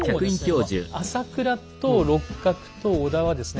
この朝倉と六角と織田はですね